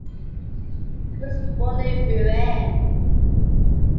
He was born in Rouen.